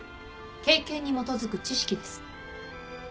経験に基づく知識です。